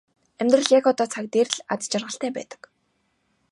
Амьдрал яг одоо цаг дээр л аз жаргалтай байдаг.